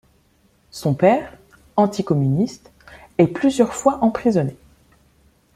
Son père, anticommuniste, est plusieurs fois emprisonné.